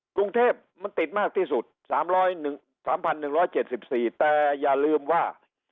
กรุงเทพมันติดมากที่สุด๓๑๗๔แต่อย่าลืมว่า